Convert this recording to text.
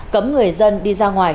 cấm người dân đi ra ngoài